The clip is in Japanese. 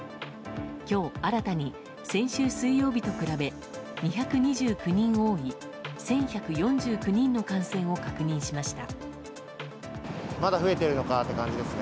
今日新たに、先週水曜日と比べ２２９人多い１１４９人の感染を確認しました。